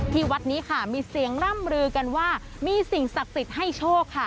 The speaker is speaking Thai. วัดนี้ค่ะมีเสียงร่ำลือกันว่ามีสิ่งศักดิ์สิทธิ์ให้โชคค่ะ